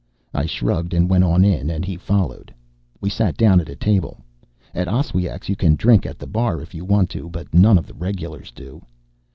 I shrugged and went on in and he followed. We sat down at a table. At Oswiak's you can drink at the bar if you want to, but none of the regulars do.